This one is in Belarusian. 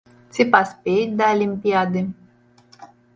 Ці паспеюць да алімпіяды?